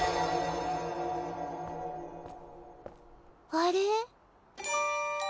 あれ？